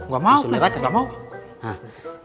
gak mau pleng